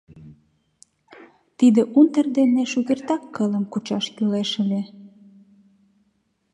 — Тиде унтер дене шукертак кылым кучаш кӱлеш ыле.